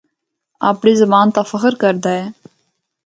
آپڑی زبان تے فخر کردا اے۔